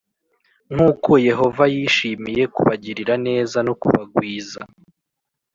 “Nk’uko Yehova yishimiye kubagirira neza no kubagwiza,